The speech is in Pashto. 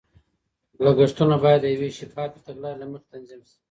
لګښتونه باید د یوې شفافې تګلارې له مخې تنظیم شي.